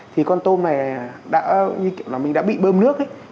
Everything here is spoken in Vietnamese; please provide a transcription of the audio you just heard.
thì con tôm này kiểu như mình đã bị bơm nước ấy